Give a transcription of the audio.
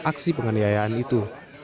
aksi penganiayaan itu